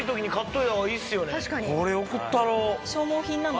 これ送ったろ。